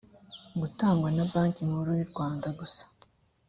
gitangwa na banki nkuru yurwanda gusa